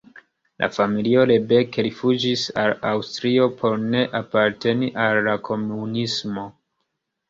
La familio Rebek rifuĝis al Aŭstrio por ne aparteni al la komunismo.